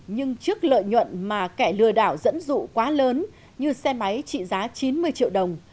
nhưng trước lợi nhuận mà kẻ lừa đảo dẫn dụ quá lớn như xe máy trị giá chín mươi triệu đồng